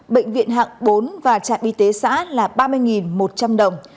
bệnh viện hạng bốn và trạm y tế xã là ba mươi một trăm linh đồng